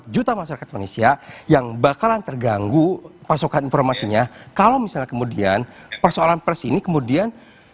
dua puluh juta masyarakat indonesia yang bakalan terganggu pasokan informasinya kalau misalnya kemudian persoalan pers ini kemudian